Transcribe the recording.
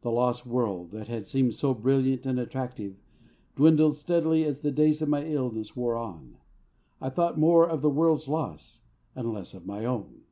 The lost world, that had seemed so brilliant and attractive, dwindled steadily as the days of my illness wore on. I thought more of the world's loss, and less of my own.